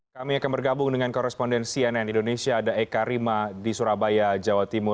kami akan bergabung dengan koresponden cnn indonesia ada eka rima di surabaya jawa timur